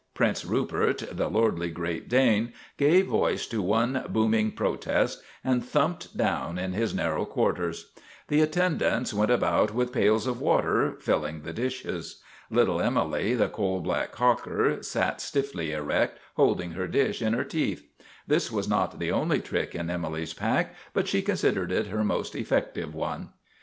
Prince Rupert, the lordly Great Dane, gave voice to one booming protest, and thumped down in his narrow quarters. The attendants went about with pails of water, filling the dishes. Little Emily, the coal black cocker, sat stiffly erect, holding her dish in her teeth. This was not the only trick in Emily's pack ; but she considered it her most effective one.